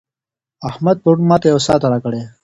احمد پرون ماته یو ساعت راکړی.